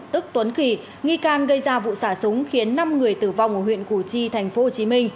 tức tuấn khì nghi can gây ra vụ xả súng khiến năm người tử vong ở huyện củ chi tp hcm